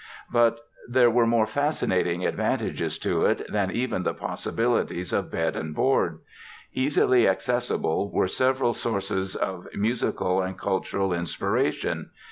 But there were more fascinating advantages to it than even the possibilities of bed and board. Easily accessible were several sources of musical and cultural inspiration.